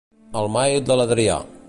El mail de l'Adrià.